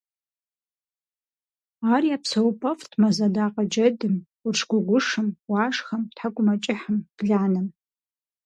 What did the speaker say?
Ар я псэупӀэфӀт мэз адакъэ – джэдым, къурш гуэгушым, уашхэм, тхьэкӀумэкӀыхьым, бланэм.